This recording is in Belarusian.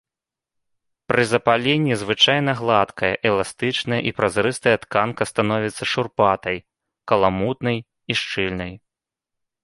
Пры запаленні звычайна гладкая, эластычная і празрыстая тканка становіцца шурпатай, каламутнай і шчыльнай.